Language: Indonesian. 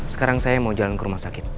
sekarang saya mau jalan ke rumah sakit